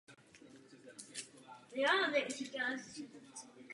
Kostra bývá dřevěná nebo ocelová.